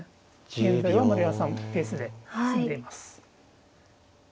現在は丸山さんペースで進んでいます。